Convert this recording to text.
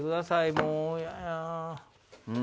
もう嫌や。